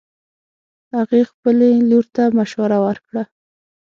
هغې خبلې لور ته مشوره ورکړه